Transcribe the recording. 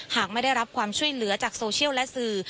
หากไม่ได้รับความช่วยเหลือจากโซเชียลและสื่อ